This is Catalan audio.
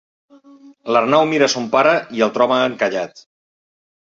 L'Arnau mira son pare i el troba encallat.